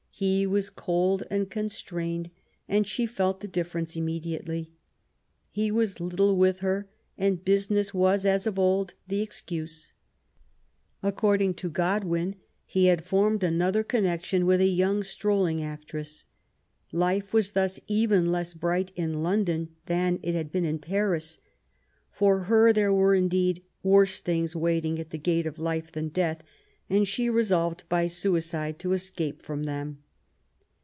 He was cold and constrained, and she felt the difference immediately. He was little with her^ and business was^ as of old^ the •excuse. According to Godwin^ he had formed another connection with a young strolling actress. Life was thus even less bright in London than it bad been in Paris. For her there were, indeed, worse things wait ing at the gate of life than death ; and she resolved by suicide to escape from them.